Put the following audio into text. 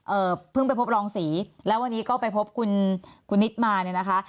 เอ่อเพิ่งไปพบรองศรีแล้ววันนี้ก็ไปพบคุณคุณนิดมาเนี่ยนะคะ